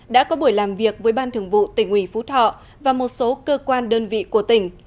đã có buổi làm việc với ban thường vụ tỉnh ủy phú thọ và một số cơ quan đơn vị của tỉnh